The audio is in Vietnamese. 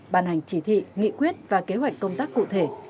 ban hành chỉ thị nghị quyết và kế hoạch công tác cụ thể